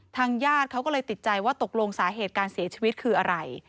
ญาติเขาก็เลยติดใจว่าตกลงสาเหตุการเสียชีวิตคืออะไร